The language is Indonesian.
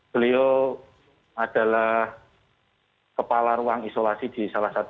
beliau adalah kepala ruang isolasi di salah satu